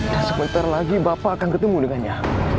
dan sebentar lagi bapak akan ketemu dengannya